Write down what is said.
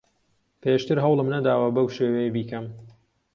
پێشتر هەوڵم نەداوە بەو شێوەیە بیکەم.